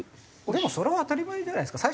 でもそれは当たり前じゃないですか。